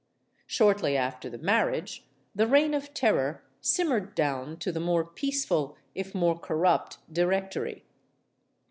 Shortly after the marriage, the Reign of Terror sim mered down to the more peaceful if more corrupt Di rectory.